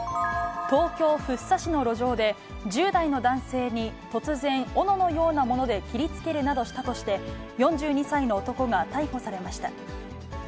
東京・福生市の路上で、１０代の男性に突然、おののようなもので切りつけるなどしたとして、４２歳の男が逮捕されました。